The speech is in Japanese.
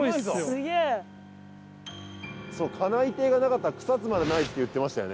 カナイテイがなかったら草津までないって言ってましたよね。